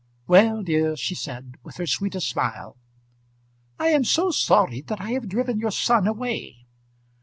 "Well, dear," she said, with her sweetest smile. "I am so sorry that I have driven your son away."